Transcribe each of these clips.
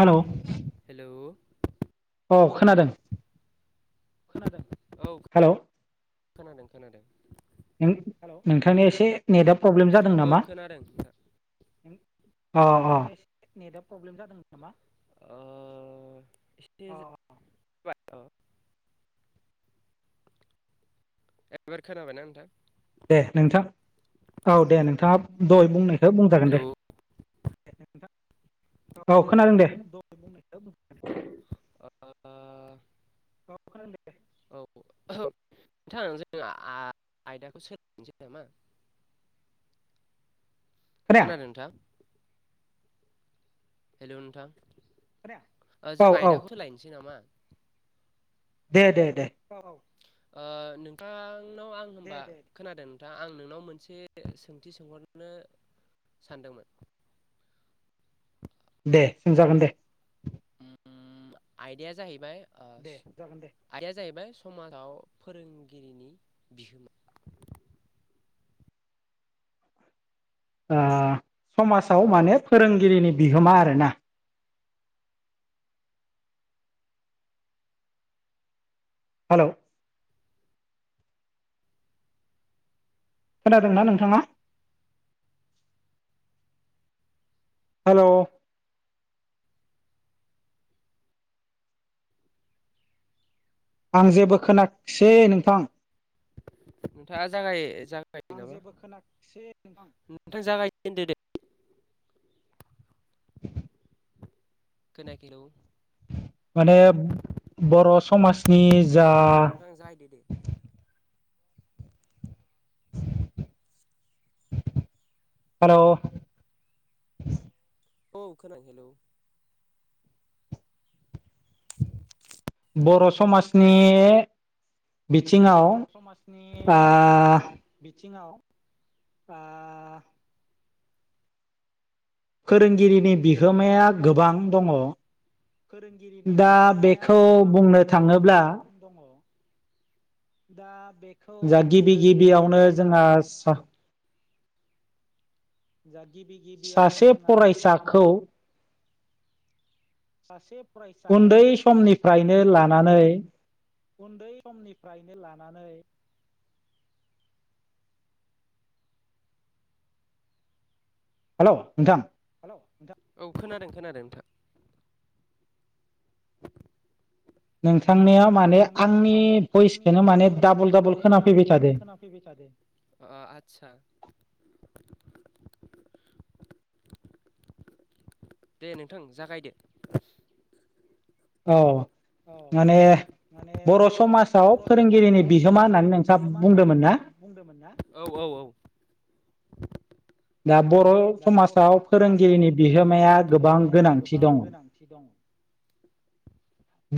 Hello औ खोनादों खोनादों ओ हेलौ‌ खोनादों खोनादों। नों नोंथांनि एसे नेटआ प्रब्लेम जादों नामा? [inaudible] ओ- एसे‌ [unintelligible] [unintelligible] ए -एबार खोनाबायना नोंथां? दे नोंथां औ दे नोंथाङा दहाय बुंनाय थो बुंजागोन दे [unintelligible] ओ [inaudible] औ नोंथां जों आय-आयदाखौ सोलायनोसै नामा? [inaudible] खोनादों नोंथां? हेलौ नोंथां। खोनाया। जों आयदाखौ सोलायनोसै नामा? दे दे दे ओ नोंथांनाव आं होनबा खोनादों नोंथां आं नोंनाव मोनसे सोंथि सों हरनो सानदोंमोन दे सोंजागोन दे। [inaudible] आयदाया जाहैबाय ओ आयदाया जाहैबाय समाजाव फोरोंगिरिनि बिहोमा [inaudible] ओ समाजाव मानो फोरोंगिरिनि बिहोमा आरोना हेलौ खोनादोंना नोंथाङा? हेलौ। आं जेबो खोनाखसै नोंथां नोंथाङा जागाय जागायदो नामा नोंथां जागायजेनदोदे [inaudible] खोनायाखै हेलौ माने बर' समाजनि नोंथां जाय दोदे [inaudible] हेलौ औ खोना हेलौ बर' समाजनि थिंआव आ थिंआव आ फोरोंगिरिनि बिहोमाया गोबां दङ दा बेखौ बुंनो थाङोब्ला‌ दा जा गिबि गिबियावनो जोंहा सा दा गिबि गिबियावनो जोंहा सा सासे उन्दै समनिफ्रायनो लानानै उन्दै समनिफ्रायनो लानानै हेलौ नोंथां औ खोनादों खोनादों नोंथां [inaudible] नोंथांनिया माने आंनि भइसखौनो माने डाबल डाबल खोनाफैबाय थादो अ आतसा [inaudible] दे नोंथां जागायदो। औ माने बर' समाजाव फोरोंगिरिनि बिहोमा होननानै नोंथाङा बुंदोमोन ना औ औ [inaudible] दा बर' समाजाव फोरोंगिरिनि बिहोमाया गोबां गोनांथि दं।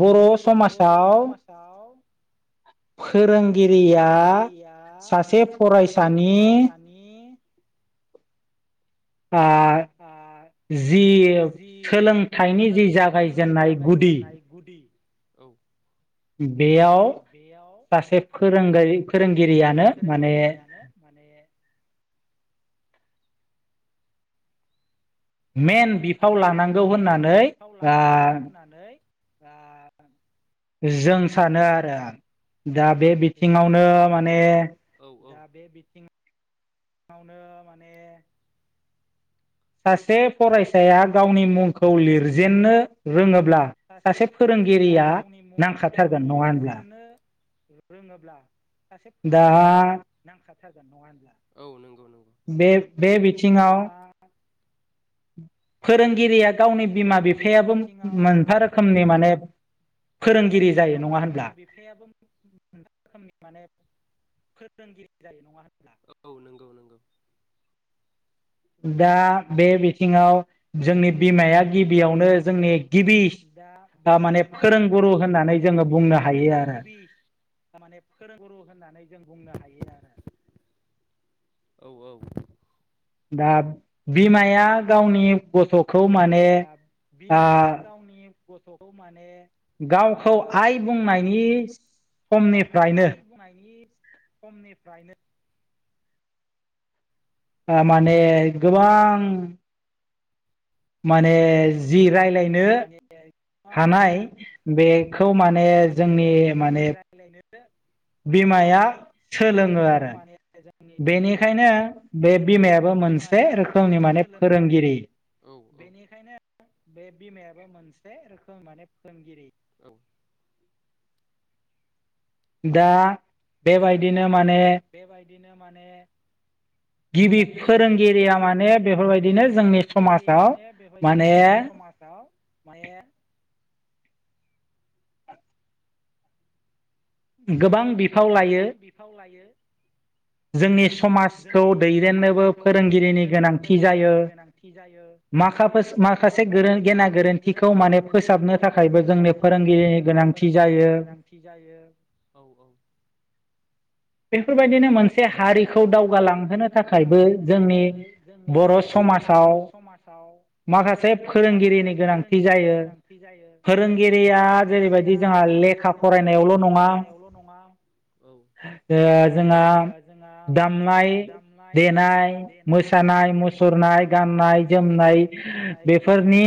बर' समाजाव फोरोंगिरिया सासे फरायसानि आ जि सोलोंथाइनि जि जागायजेननाय गुदि औ बेयाव सासे फोरोंगारि फोरोंगिरियानो माने [inaudible] मेन बिफाव लानांगौ होननानै आ आ जों सानो आरो दा बे बिथिङावनो माने बे बिथिंआवनो माने सासे फरायसाया गावनि मुंखौ लिरजेननो रोङोब सासे फरायसाया गावनि मुंखौ लिरजेननो रोङोब्ला सासे फोरोंगिरिया नांखाथारगोन नङा होनब्ला औ नोंग बे बे बिथिङाव फोरोंगिरिया गावनि बिमा बिफायाबो मोनफा रोखोमनि माने फोरोंगिरिया गावनि बिमा बिफायाबो मोनफा रोखोमनि माने फो फोरोंगिरि जायो नङा होनब्ला औ नंगौ नंगौ दा बे बिथिङाव जोंनि बिमाया गिबियावनो जोंनि दा बे बिथिङाव जोंनि बिमाया गिबियावनो जोंनि गिबि थारमाने फोरोंगुरु होननानै जों बुंनो हायो आरो औ औ दा बिमाया गावनि गथ' दा बिमाया गावनि गथ'खौ माने गावखौ आइ बुंनायनि समनिफ्रायनो समनिफ्रायनो आ माने गोबां माने जि रायलायनो हानाय बेखौ माने जोंनि माने रायलायनोनो बिमाया सोलोङो आरो बेनिखायनो आं बे बिमायाबो मोन मोनसे रोखोमनि माने फोरोंगिरि बेनिखायनो बे बिमायाबो मोनसे रोखोम माने फोरोंगिरि औ दा बेबायदिनो माने बिदिनो माने गिबि फोरोंगिरिया माने गिबि फोरोंगिरिया माने बेबायदिनो जोंनि समाजाव माने गोबां बिफाव लायो। जोंनि समाजखौ दैदेननोबो फोरोंगिरिनि गोनांथि जायो। माखाफोसो माखासे गोरों गेना गोरोन्थिखौ माने फोसाबनो थाखायबो जोंनि फोरोंगिरिनि गोनांथि जायो। गोनांथि जायो औ औ। बेफोरबायदिनो मोनसे हारिखौ दावगालांहोनो थाखायबो जोंनि बर' समाजाव र' समाजाव माखासे फोरोंगिरिनि गोनांथि जायो। फोरोंगिरिया जेरैबायदि जोंहा बेबायदि जोंहा लेखा फरायनायावल' नङा दो जोंहा दामनाय, देनाय, मोसानाय, मुसुरनाय, गान नाय जोमनाय बेफोरनि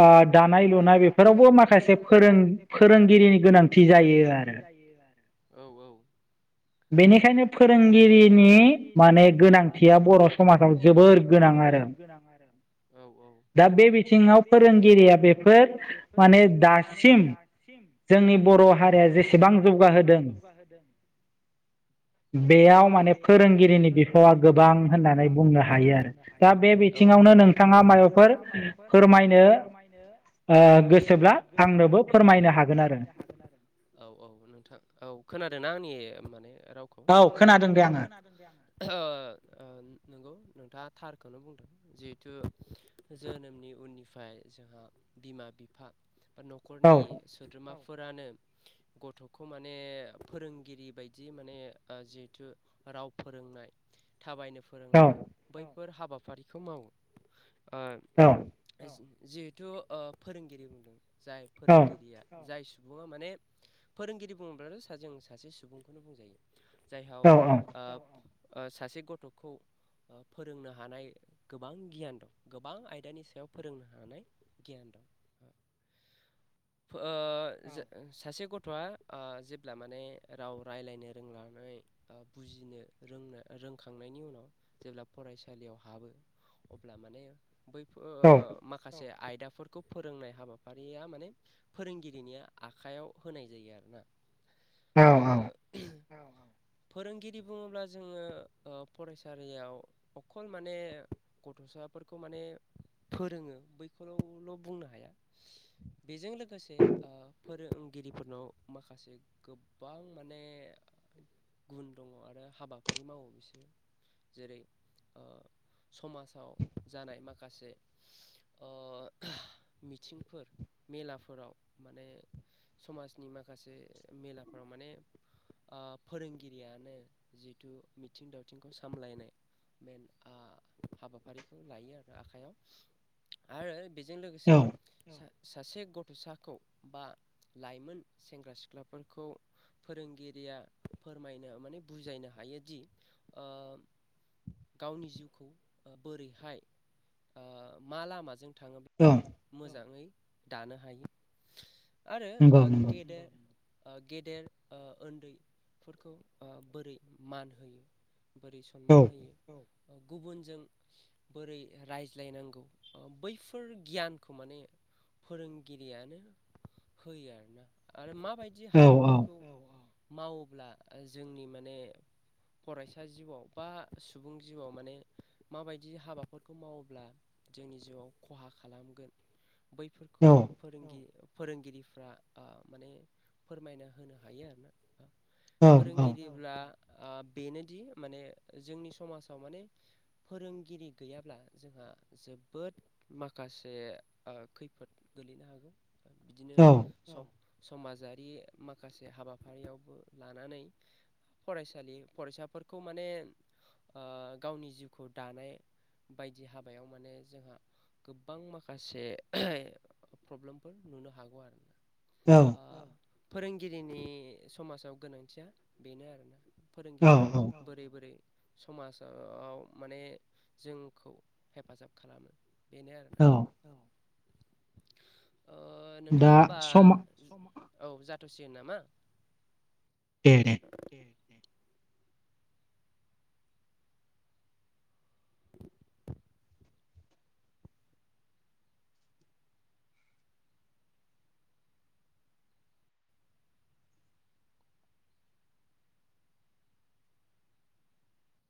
ओ दानाय लुनाय बेफोरावबो माखासे यावबो माखासे फोरों फोरोंगिरिनि गोनांथि जायो आरो। औ औ। बेनिखायनो फोरोंगिरिनि माने गोनांथिया बर' समाजाव जोबोर गोनां आरो। गोनां आरो औ औ। दा बे बिथिङाव फोरोंगिरिया बेफोर माने दासिम जोंनि बर' हारिया जेसेबां जौगाहोदों बेयाव माने फोरोंगिरिनि बिफावा गोबां होननानै बुंनो हायो आरो दा बे बिथिङाव नो‌ नोंथाङा मायबाफोर फोरमायनो ओ गोसोब्ला आंनोबो फोरमायनो हागोन आरो। औ औ नोंथां औ खोनादोंना आंनि रावखौ औ खोनादों दे आं ओ नोंगौ नोंथाङा थार खौनो बुंदों जिहेथु जोनोमनि उननिफाय जोंहा बिमा-बिफा बा न'खरनि सोद्रोमा फोरानो गथ'खौ माने फोरोंगिरि बाय दि माने ओ जिहेथु राव फोरोंनाय थाबायनो फोरोंनाय बै फोर हाबाफारिखौ मावो। ओ औ जि जिहेथु ओ फोरोंगिरि बुंदों जाय फोरोंगिरिया जाय सुबुङा माने फोरोंगिरि बुङोब्लानो जों सासे सुबुंखौनो बुंजायो। जाहाव ओ सासे गथ'खौ फोरोंनो हानाय गोबां गियान दं गोबां आयदानि सायाव फोरोंनो हानाय गियान दं। [inaudible] फो ओ जो सासे गथ'आ ओ जेब्ला माने राव रायलायनो रोंनानै ओ बुजिनो रोंनो रोंखांनायनि उनाव जेब्ला फरायसालि याव हाबो अब्ला माने बै फो ओ औ माखासे आय दाफोरखौ फोरोंनाय हाबाफारिया माने फोरोंगिरिनि आखयाव होनाय जायो आरो ना। औ औ फोरोंगिरि बुङोब्ला जोङो ओ फरायसालियाव अखल माने गथ' साफोरखौ माने फोरोङो बैखौल'ल' बुंनो हाया। बेजों लोगोसे ओ फोरोंगिरिफोरनाव माखासे गोबां मा ने गुन दङ आरो हाबाफारि मावो बिसोरो। जेरै ओ समाजाव जानाय माखासे ओ मिथिंफोर मेलाफोराव माने समाजनि माखासे मेलाफोराव माने ओ फोरोंगिरियानो जिथु मिथिं दावथिंखौ सामलायनाय। म हाबाफारिखौ लायो आरो आखाइयाव आरो बेजों लोगोसे सा सासे गथ'साखौ बा लाइमोन सेंग्रा-सिख्लाफोरखौ फोरोंगिरिया फोरमायनो माने बुजायनो हायोदि ओ गावनि जिउखौ बोरैहाय ओ मा लामाजों थाङोब्ला मोजाङै दानो हायो। आरो ओ गेदेर ओ गेदेर ओ उन्दैफोरखौ ओ बोरै मान होयो। बोरै सनमान होयो औ। गुबुनजों बोरै रायज्लायनांगौ बैफोर गियानखौ माने फोरोंगिरियानो होयो आरोना आरो माबायदि हाबाफोरखौ औ औ मावोब्ला जोंनि माने फरायसा जिउआव बा सुबुं जिउआव माने माबायदि हाबाफोरखौ मावोब्ला जोंनि जिउआव खहा खालामगोन। बैफोरखौ फोरोंगिरि फोरोंगिरिफ्रा आ माने फोरमायनो होनो हायो आरोना फोरोंगिरिब्ला ओ बेनोदि माने जोंनि समाजाव माने फोरोंगिरि गैयाब्ला जोंहा जोबोद माखासे ओ खैफोद गोलैनो हागौ बिदिनो सम-समाजारि माखासे हाबाफारियावबो लानानै फरायसालि फरायसाफोरखौ माने ओ गावनि जिउखौ दानाय बायदि हाबायाव माने जोंहा गोबां माखासे प्रब्लेमफोर नुनो हागौ आरो औ। फोरोंगिरिनि समाजाव गोनांथिया बेनो आरोना फोरोंगिरिया बोरै बोरै। समाजाव माने जोंखौ हेफाजाब खालामो। बेनो आरोना औ। ओनोंथां होनबा औ जाथ'सिगोन नामा? दे दे।